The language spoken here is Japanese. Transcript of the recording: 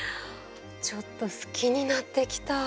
ちょっと好きになってきた。